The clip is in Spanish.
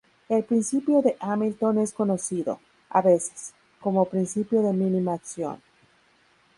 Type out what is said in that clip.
El principio de Hamilton es conocido, a veces, como "principio de mínima acción".